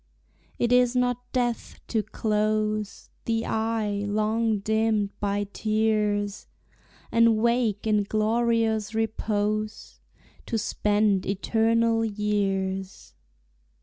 It is not death to close The eye long dimmed by tears, And wake in glorious repose, To spend eternal years.